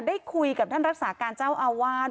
ได้คุยกับท่านรักษาการเจ้าอาวาส